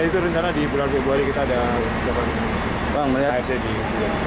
pertandingan kemarin kita ada siapa